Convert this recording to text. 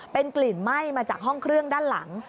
เป็นกลิ่นไหม้มาจากห้องเครื่องด้านหลัง